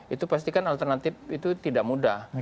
itu pastikan alternatif itu tidak mudah